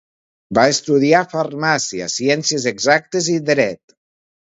Va estudiar Farmàcia, Ciències Exactes i Dret.